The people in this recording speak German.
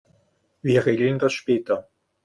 Wir regeln das später.